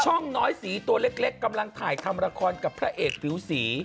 น้อยสีตัวเล็กกำลังถ่ายทำละครกับพระเอกผิวสี